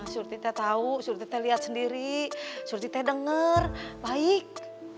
surti teh tahu surti teh lihat sendiri surti teh denger baik